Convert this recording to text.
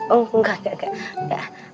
oh enggak enggak enggak